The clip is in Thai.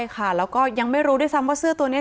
ค่ะแล้วก็ยังไม่รู้ว่าเสื้อตัวนี้